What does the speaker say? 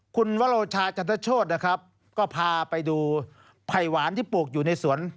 คุณวโรชาจันทโชธนะครับก็พาไปดูไผ่หวานที่ปลูกอยู่ในสวน